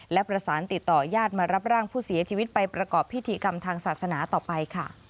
และประสานติดต่อยาดมารับร่างผู้เสียชีวิตไปประกอบพิธีกรรมทางศาสนาต่อไปค่ะ